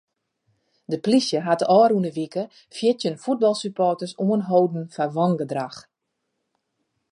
De plysje hat de ôfrûne wike fjirtjin fuotbalsupporters oanholden foar wangedrach.